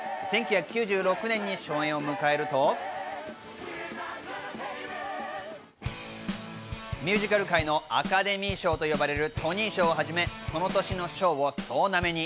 １９９６年に初演を迎えると、ミュージカル界のアカデミー賞と呼ばれるトニー賞をはじめ、その年の賞を総なめに。